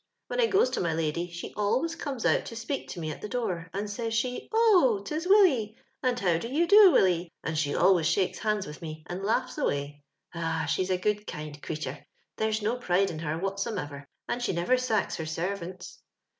When I goes to my lady slio always comes out to speak to mc at the door, and says she, * Oh, 'tis "Willy I and how do you do, Willy?' and she always shakes hands with mo and laughs away. Ah 1 she's ^ a good kind creetur' ; there's no prido in her whatsumever — and she never sacks her ser vants.